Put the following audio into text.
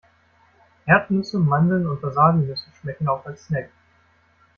Erdnüsse, Mandeln und Wasabinüsse schmecken auch als Snack.